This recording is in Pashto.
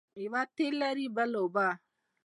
یوه تېل لري بل اوبه.